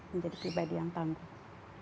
menjadi pribadi yang tangguh